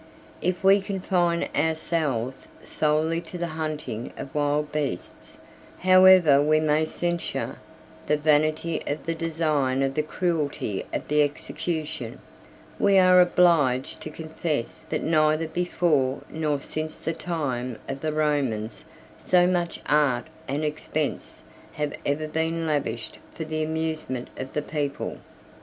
If we confine ourselves solely to the hunting of wild beasts, however we may censure the vanity of the design or the cruelty of the execution, we are obliged to confess that neither before nor since the time of the Romans so much art and expense have ever been lavished for the amusement of the people.